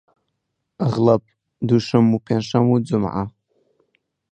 ئەغڵەب دووشەممە و پێنج شەممە و جومعە